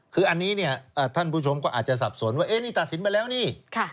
คืออันนี้เนี่ยท่านผู้ชมก็อาจจะสับสนว่านี่ตัดสินไปแล้วนี่